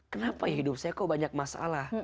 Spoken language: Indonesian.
kenapa hidup saya kok banyak masalah